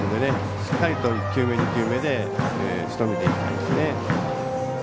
しっかりと１球目２球目でしとめていきたいですね。